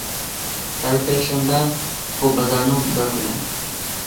ھەر پەيشەنبە بۇ بازارنىڭ« بازار كۈنى».